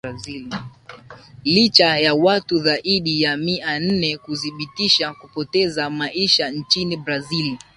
licha ya watu zaidi ya mia nne kuthibitisha kupoteza maisha nchini brazil